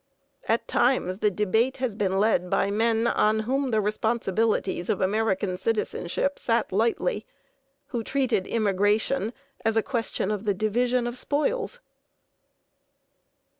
At times the debate has been led by men on whom the responsibilities of American citizenship sat lightly, who treated immigration as a question of the division of spoils.